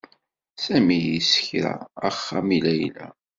Sami yessekra axxam i Layla.